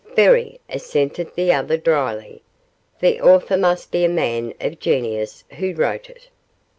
'Very,' assented the other, dryly; 'the author must be a man of genius who wrote it?